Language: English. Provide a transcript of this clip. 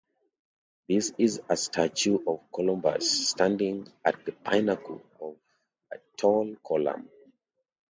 This is a statue of Columbus standing at the pinnacle of a tall column.